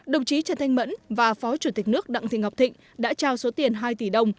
đồng chí trần thanh mẫn và phó chủ tịch nước đặng thị ngọc thịnh đã trao số tiền hai tỷ đồng